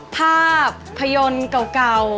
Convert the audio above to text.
ภาพยนตร์เก่า